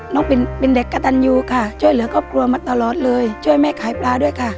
น้องเป็นเด็กกระตันยูค่ะช่วยเหลือครอบครัวมาตลอดเลยช่วยแม่ขายปลาด้วยค่ะ